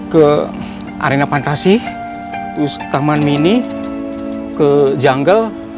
ke arena pantasi terus taman mini ke jungle